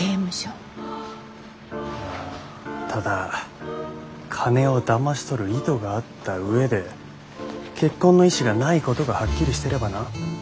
んただ金をだまし取る意図があったうえで結婚の意思がないことがはっきりしてればな。